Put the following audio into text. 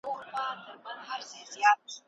ما ته ووایه چي دا مرغی څنګه البوځي؟